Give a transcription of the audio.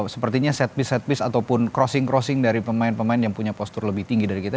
sepertinya set pie set piece ataupun crossing crossing dari pemain pemain yang punya postur lebih tinggi dari kita